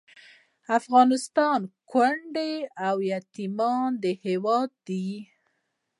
افغانستان د کونډو او یتیمانو هیواد دی